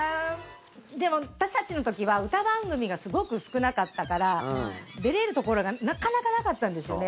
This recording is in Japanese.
でも、私たちの時は歌番組がすごく少なかったから出れるところがなかなかなかったんですよね。